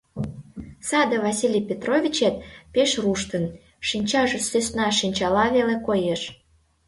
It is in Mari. Саде Василий Петровичет пеш руштын, шинчаже сӧсна шинчала веле коеш.